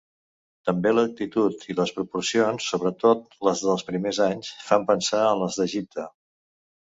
També l'actitud i les proporcions, sobretot les dels primers anys, fan pensar en les d'Egipte.